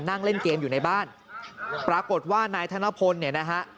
นั่งเล่นเกมอยู่ในบ้านปรากฏว่านายธนพลเนี่ยนะฮะ